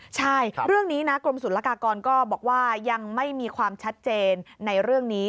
ใช่เรื่องนี้นะกรมศุลกากรก็บอกว่ายังไม่มีความชัดเจนในเรื่องนี้